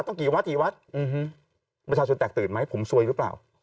กี่วัดกี่วัดประชาชนแตกตื่นไหมผมซวยหรือเปล่า